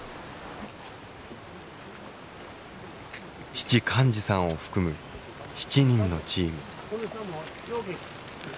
父寛司さんを含む７人のチーム。